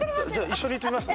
一緒に言ってみます？